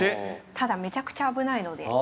ただめちゃくちゃ危ないので。